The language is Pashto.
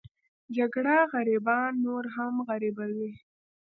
جګړه غریبان نور هم غریبوي